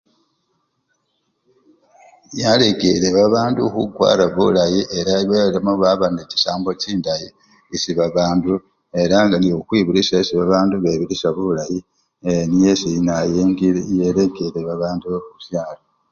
Yalekele babandu khukwara bulayi ela belamo baba nende chisambo chindayi esii babandu ela nga nekhwikhwibirisha esii babandu bebirisha bulayi ee niyo esii nawoyu elekele babandu khushalo.